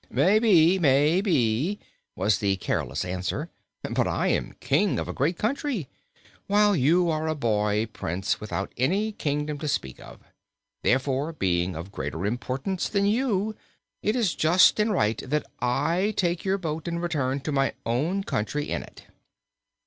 "May be, may be," was the careless answer, "but I am King of a great country, while you are a boy Prince without any kingdom to speak of. Therefore, being of greater importance than you, it is just and right that I take, your boat and return to my own country in it."